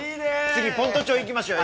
次先斗町行きましょうよ。